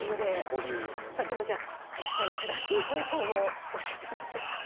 でもじゃあ実際の正しい方法を教えてください。